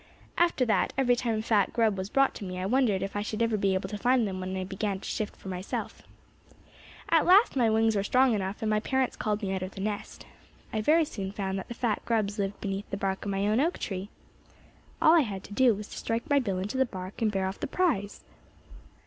"After that, every time a fat grub was brought to me, I wondered if I should ever be able to find them when I began to shift for myself. "At last my wings were strong enough and my parents called me out of the nest. I very soon found that the fat grubs lived beneath the bark of my own oak tree. All I had to do was to strike my bill into the bark and bear off the prize."